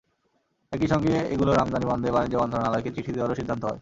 একই সঙ্গে এগুলোর আমদানি বন্ধে বাণিজ্য মন্ত্রণালয়কে চিঠি দেওয়ারও সিদ্ধান্ত হয়।